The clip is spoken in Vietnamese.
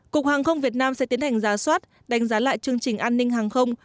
cục hàng không việt nam sẽ tiến hành giá soát đánh giá lại chương trình an ninh hàng không